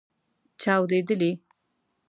چاودیدلې